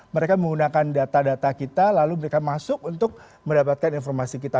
mereka menggunakan data data kita lalu mereka masuk untuk mendapatkan informasi kita